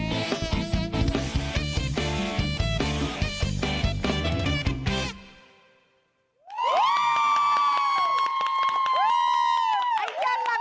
คนที่รักจริงสักคนมีไหม